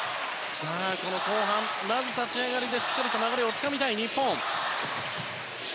後半、まず立ち上がりでしっかり流れをつかみたい日本。